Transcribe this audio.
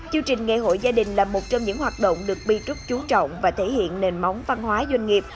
chương trình ngày hội gia đình là một trong những hoạt động được b group chú trọng và thể hiện nền móng văn hóa doanh nghiệp